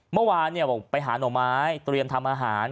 เมื่อวานบอกไปหาหน่อไม้เตรียมทำอาหาร